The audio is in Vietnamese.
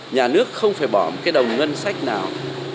nhà nước không phải bỏ một cái đồng ngân sách nào